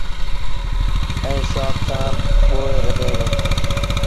ائيٚݩ شوڪ سآݩ ٻوڙ رڌيٚن دآ۔